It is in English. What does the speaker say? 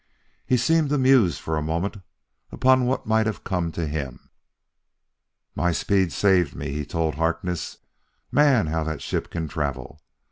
He seemed to muse for a moment upon what might have come to him. "My speed saved me," he told Harkness. "Man, how that ship can travel!